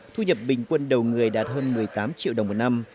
thu nhập bình quân đầu người đạt hơn một mươi tám triệu đồng một năm